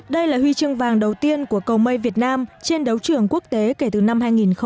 đây là huy chương vàng đầu tiên của cầu mây việt nam trên đấu trưởng quốc tế kể từ năm hai nghìn sáu